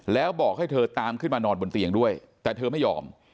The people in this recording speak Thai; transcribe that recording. แล้วบอกให้เธอตามขึ้นมานอนบนเตียงด้วยแต่เธอไม่ยอม